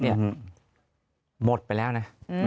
หมดไปแล้วนะ